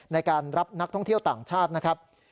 ในการรับนักท่องเที่ยวต่างชาตินะครับ